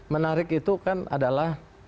menarik itu kan adalah